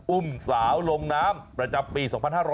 อุ้มสาวลงน้ำประจำปี๒๕๕๙